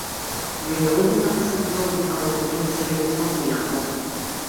Веќе одамна насетував дека во авион сѐ е лесно, поинакво.